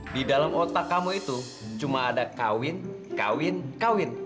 di dalam otak kamu itu cuma ada kawin kawin kawin